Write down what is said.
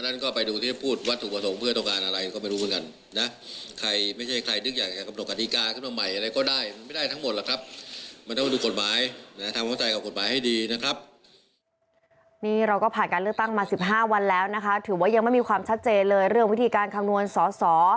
นี่เราก็ผ่านการเลือกตั้งมา๑๕วันแล้วนะคะถือว่ายังไม่มีความชัดเจนเลยเรื่องวิธีการคำนวณสอสอ